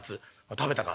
「食べたか」。